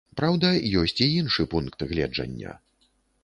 Праўда, ёсць і іншы пункт гледжання.